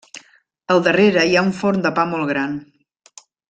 Al darrere hi ha un forn de pa molt gran.